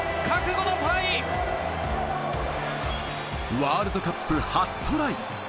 ワールドカップ、初トライ！